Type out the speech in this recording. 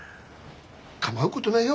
構うことないよ。